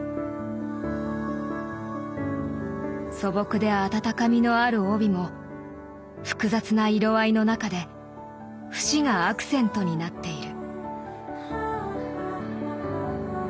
素朴で温かみのある帯も複雑な色合いの中で節がアクセントになっている。